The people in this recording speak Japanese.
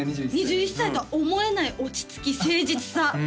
２１歳とは思えない落ち着き誠実さ